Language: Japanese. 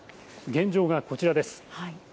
現状がこちらです。